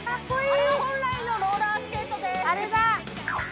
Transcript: あれが本来のローラースケートです。